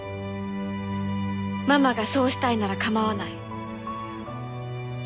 ママがそうしたいなら構わない。